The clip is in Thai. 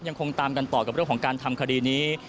ยังคงตามกันต่อกับเรื่องของการทำคดีนี้